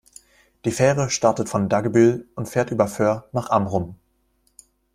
Die Fähre startet von Dagebüll und fährt über Föhr nach Amrum.